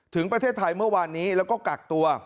ถึงประเทศไทยเมื่อวานนี้แล้วก็กักตัว